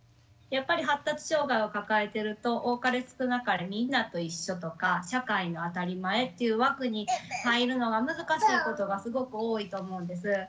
やっぱり発達障害を抱えてると多かれ少なかれみんなと一緒とか社会の当たり前という枠に入るのが難しいことがすごく多いと思うんです。